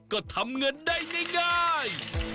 ก็ทำเงินได้ง่าย